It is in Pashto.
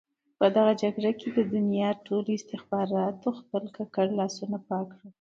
په دغه جګړه کې د دنیا ټولو استخباراتو خپل ککړ لاسونه پاک کړل.